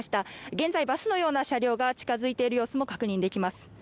現在バスのような車両が近づいている様子も確認できます